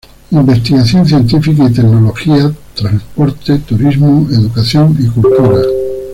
Investigación científica y tecnología, transporte, turismo, educación y cultura.